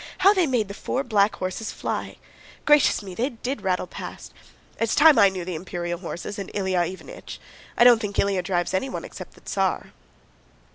How they made the four black horses fly! Gracious me, they did rattle past! It's time I knew the Imperial horses and Ilyá Iványch. I don't think Ilyá drives anyone except the Tsar!"